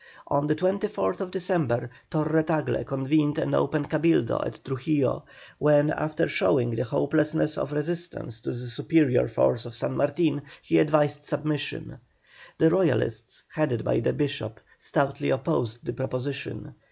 On the 24th December Torre Tagle convened an open Cabildo at Trujillo, when, after showing the hopelessness of resistance to the superior force of San Martin, he advised submission. The Royalists, headed by the Bishop, stoutly opposed the proposition.